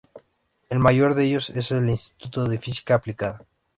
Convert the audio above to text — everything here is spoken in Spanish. El mayor de ellos es el Instituto de Física Aplicada.